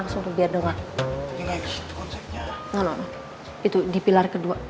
konsepnya itu di pilar kedua